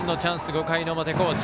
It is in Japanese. ５回表、高知。